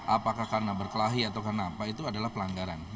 apakah karena berkelahi atau kenapa itu adalah pelanggaran